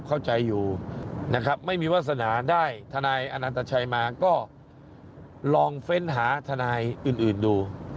เข้าใจอยู่นะครับไม่มีวาสนาได้ทนายอนันตชัยมาก็ลองเฟ้นหาทนายอื่นดู